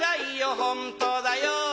ホントだよ